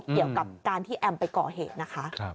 เกี่ยวกับการที่แอมไปก่อเหตุนะคะ